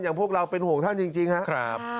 อย่างพวกเราเป็นห่วงท่านจริงฮะ